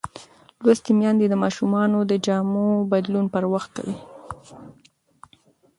لوستې میندې د ماشومانو د جامو بدلون پر وخت کوي.